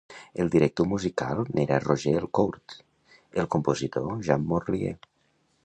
El director musical n'era Roger Elcourt, el compositor, Jean Morlier.